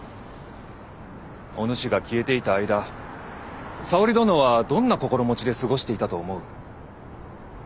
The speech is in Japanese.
おぬしが消えていた間沙織殿はどんな心持ちで過ごしていたと思う？